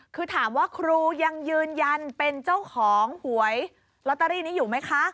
คือถามว่าครูยังยืนยันเป็นเจ้าของหวยลอตเตอรี่นี้อยู่ไหมคะ